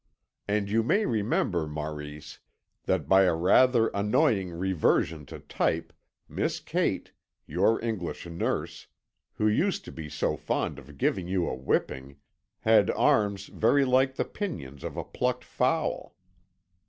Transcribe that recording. And you may remember, Maurice, that by a rather annoying reversion to type, Miss Kate, your English nurse, who used to be so fond of giving you a whipping, had arms very like the pinions of a plucked fowl.